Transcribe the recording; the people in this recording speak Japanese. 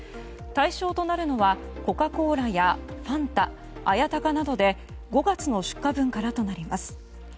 対象となるのはコカ・コーラやファンタ、綾鷹などで５月の出荷分からとなります。